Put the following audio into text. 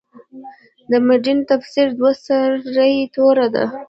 د مډرن تفسیر دوه سرې توره ده.